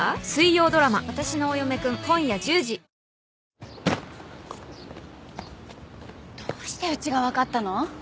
ハハッ。どうしてうちが分かったの？